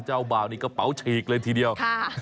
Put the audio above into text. เจ้าบ่าวนี่กระเป๋าฉีกเลยทีเดียว